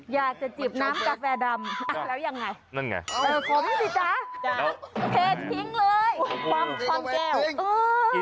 อยากจะจีบน้ำกาแฟดำแล้วยังไง